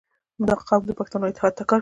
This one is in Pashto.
• دا قوم د پښتنو اتحاد ته کار کوي.